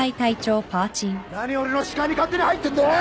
何俺の視界に勝手に入ってんだよ！